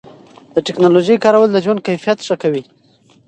د ټکنالوژۍ کارول د ژوند کیفیت ښه کوي.